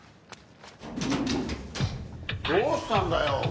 どうしたんだよ？